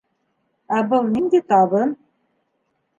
Ә был ниндәй табын?